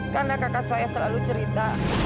karena kakak saya selalu cerita